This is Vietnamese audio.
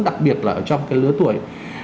đặc biệt là trong cái lứa tuổi